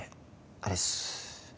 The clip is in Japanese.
あれっす